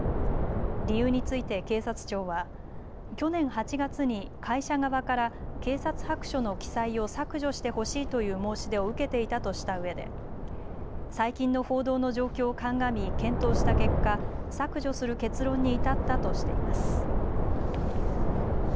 理由について警察庁は去年８月に会社側から警察白書の記載を削除してほしいという申し出を受けていたとしたうえで最近の報道の状況を鑑み検討した結果、削除する結論に至ったとしています。